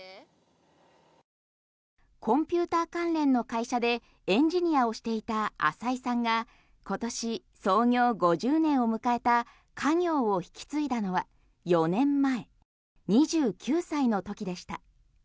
コンピューター関連の会社でエンジニアをしていた浅井さんが今年創業５０年を迎えた家業を引き継いだのは４年前、２９歳の時でした。